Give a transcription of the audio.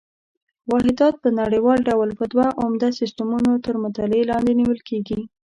واحدات په نړیوال ډول په دوه عمده سیسټمونو تر مطالعې لاندې نیول کېږي.